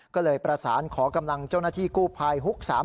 ก็เลยประสานขอกำลังเจ้าหน้าที่กู้ภัยฮุก๓๓